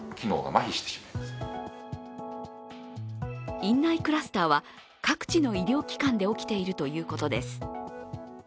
院内クラスターは各地の医療機関で起きているということです。